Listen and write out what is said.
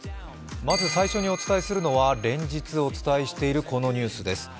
まず最初にお伝えするのは連日お伝えしているこのニュースです。